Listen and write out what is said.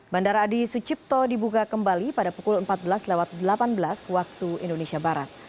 bandara adi sucipto dibuka kembali pada pukul empat belas delapan belas waktu indonesia barat